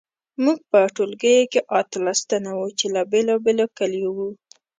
موږ په ټولګي کې اتلس تنه وو چې له بیلابیلو کلیو وو